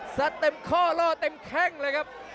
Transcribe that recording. เต็มข้อล่อเต็มแข้งเลยครับ